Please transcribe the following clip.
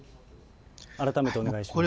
改めてお願いします。